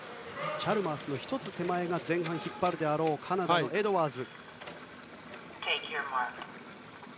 チャルマースの１つ手前が前半引っ張るであろうカナダのエドワーズ。